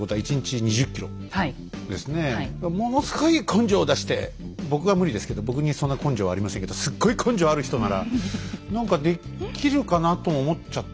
まあだからものすごい根性出して僕は無理ですけど僕にそんな根性はありませんけどすっごい根性ある人なら何かできるかなとも思っちゃったりするんだけど。